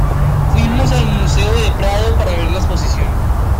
Fuimos al Museo del Prado para ver la exposición.